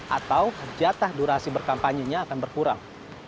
atau jatah durasi berkampanye nya akan berkurang